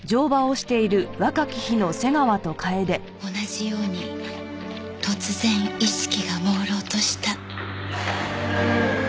同じように突然意識がもうろうとした。